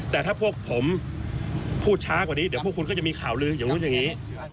แต่ถ้าพวกผมพูดช้ากว่านี้เดี๋ยวพวกคุณก็จะมีข่าวลืออย่างนู้นอย่างนี้